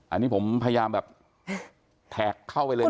อันนี้ผมพยายามแบบแท็กเข้าไปเลยนะ